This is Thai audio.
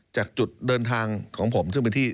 จากจุดเดินทางของผมซึ่งเป็นที่